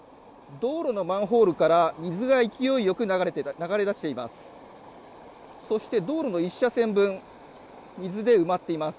道路のマンホールから水が勢いよく流れ出しています。